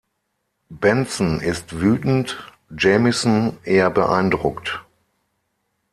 Benson ist wütend, Jamieson eher beeindruckt.